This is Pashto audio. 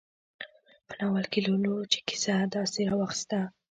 په ناول کې لولو چې کیسه داسې راواخیسته.